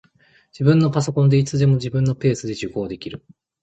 自分のパソコンで、いつでも自分のペースで受講できる